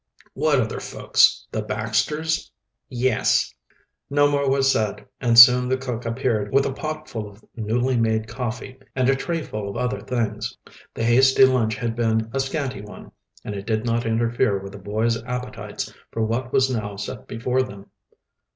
"What other folks, the Baxters?" "Yes." No more was said, and soon the cook appeared with a pot full of newly made coffee and a trayful of other things. The hasty lunch had been a scanty one, and it did not interfere with the boys' appetites for what was now set before them.